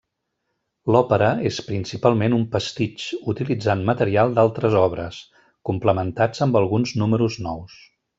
L'òpera és principalment un pastitx, utilitzant material d'altres obres, complementats amb alguns números nous.